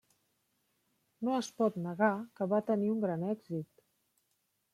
No es pot negar que va tenir un gran èxit.